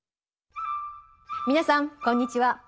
皆さんこんにちは。